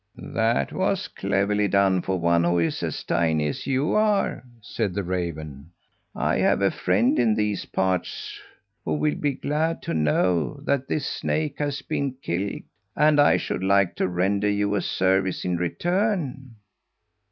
"That was cleverly done for one who is as tiny as you are!" said the raven. "I have a friend in these parts who will be glad to know that this snake has been killed, and I should like to render you a service in return."